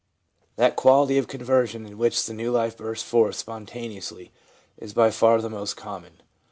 That quality of conversion in which the new life bursts forth spontaneously is by far the most common.